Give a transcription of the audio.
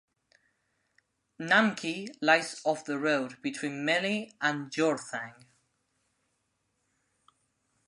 Namchi lies off the road between Melli and Jorethang.